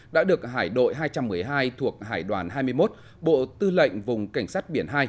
đã được hải đội hai trăm một mươi hai thuộc hải đoàn hai mươi một bộ tư lệnh vùng cảnh sát biển hai